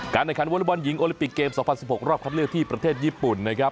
การแนะนำวัลบ่นหญิงโอแลปิกเกม๒๐๑๖รอบคับเลือกที่ประเทศญี่ปุ่นนะครับ